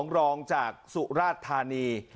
รองจากสุราชธานี